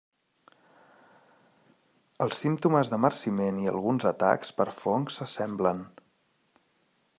Els símptomes de marciment i alguns atacs per fongs s'assemblen.